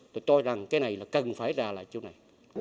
tôi cho rằng cái này là cần phải ra lại chỗ này